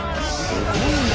すごいな。